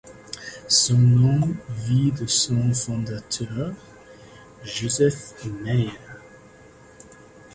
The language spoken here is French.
Son nom vient de son fondateur, Joseph Meyer.